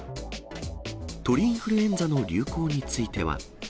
鳥インフルエンザの流行については。